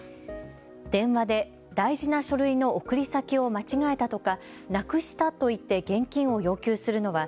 電話で大事な書類の送り先を間違えたとか、なくしたと言って現金を要求するのは